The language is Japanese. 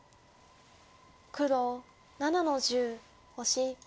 黒７の十オシ。